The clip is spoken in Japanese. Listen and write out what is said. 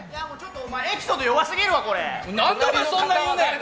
お前、エピソード弱すぎるねん！